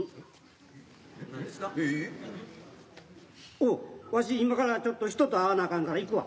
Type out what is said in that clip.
おおっわし今からちょっと人と会わなあかんから行くわ。